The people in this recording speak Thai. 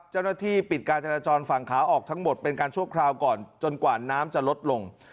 เจ้าหน้าที่ปิดการจราจรฝั่งขาออกทั้งหมดเป็นการชั่วคราวก่อนจนกว่าน้ำจะลดลง